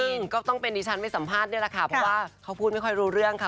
จริงก็ต้องเป็นดิฉันไม่สัมภาษณ์นี่แหละค่ะเพราะว่าเขาพูดไม่ค่อยรู้เรื่องค่ะ